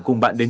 cùng bạn định